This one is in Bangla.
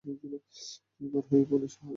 তিনি বড়ো হয়েছেন পুণে শহরে।